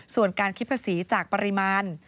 ส่วนการคิดภาษีจากปริมาณ